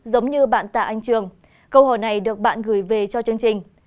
giống như bạn tạ anh trường câu hỏi này được bạn gửi về cho chương trình